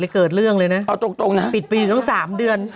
อย่าเกิดเรื่องเลยนะปิดปีนั้น๓เดือน